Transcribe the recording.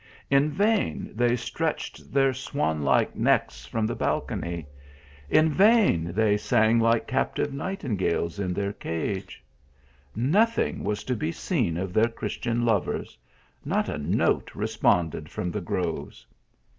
In vain they stretched their swan like necks from the balcony ; in vain they sang like captive nightingales in their cage ; nothing was to be seen of their Christian lovers, not a note responded from the groves.